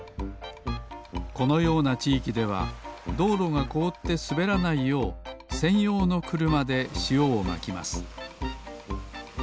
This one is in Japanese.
このようなちいきではどうろがこおってすべらないようせんようのくるまでしおをまきます